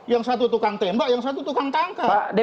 yang satu tukang tembak yang satu tukang tangka